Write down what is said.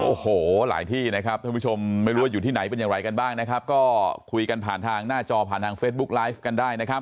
โอ้โหหลายที่นะครับท่านผู้ชมไม่รู้ว่าอยู่ที่ไหนเป็นอย่างไรกันบ้างนะครับก็คุยกันผ่านทางหน้าจอผ่านทางเฟซบุ๊กไลฟ์กันได้นะครับ